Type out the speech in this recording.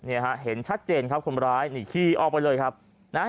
ฮะเห็นชัดเจนครับคนร้ายนี่ขี่ออกไปเลยครับนะฮะ